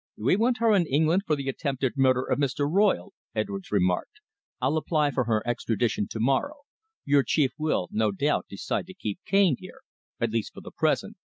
"We want her in England for the attempted murder of Mr. Royle," Edwards remarked. "I'll apply for her extradition to morrow. Your chief will, no doubt, decide to keep Cane here at least, for the present.